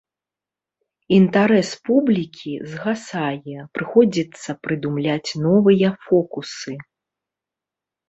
Інтарэс публікі згасае, прыходзіцца прыдумляць новыя фокусы.